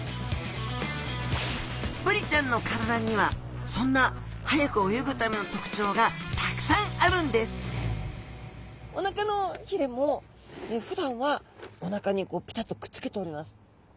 ブリちゃんの体にはそんな速く泳ぐための特徴がたくさんあるんですおなかのひれもふだんはおなかにピタッとくっつけております。